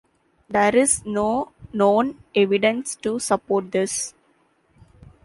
There is no known evidence to support this.